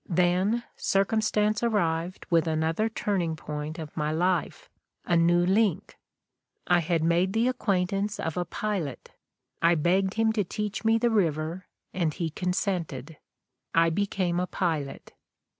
... Then Circumstance arrived with another turning point of my life — a new link. ... I had made the acquaintance of a pilot. I begged him to teach me the river, and he consented. I became a pilot."